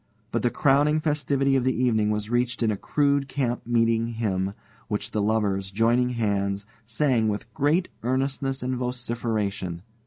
But the crowning festivity of the evening was reached in a rude camp meeting hymn, which the lovers, joining hands, sang with great earnestness and vociferation.